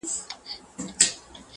لاسونه ښکلوي، ستا په لمن کي جانانه~